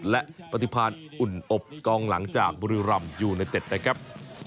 และปฏิพันธ์อุ่นอบกองหลังจากบุรีรำยูไนเต็ดนะครับ